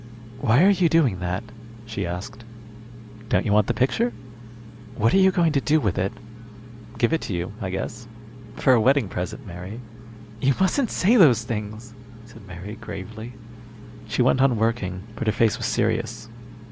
"Why are you doing that?" she asked. "Don't you want the picture?" "What are you going to do with it?" "Give it to you, I guess. For a wedding present, Mary." "You mustn't say those things," said Mary, gravely. She went on working, but her face was serious.